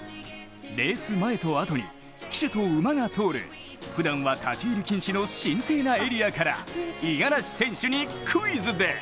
レース前とあとに騎手と馬が通るふだんは立ち入り禁止の神聖なエリアから五十嵐選手にクイズです。